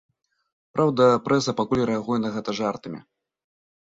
Праўда, прэса пакуль рэагуе на гэта жартамі.